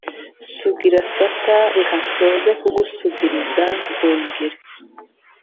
Sugira sata reka nsoze kugusingiza nzongera